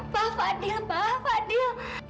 pak fadil pak fadil